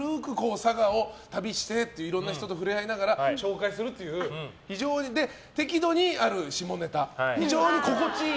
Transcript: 佐賀を旅していろんな人と触れ合いながら紹介するっていう非常に、適度にある下ネタ。